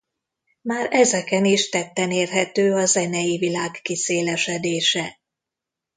Már ezeken is tetten érhető a zenei világ kiszélesedése.